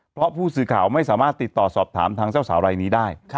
เพราะผู้สื่อข่าวไม่สามารถติดต่อสอบถามทางเจ้าสาวรายนี้ได้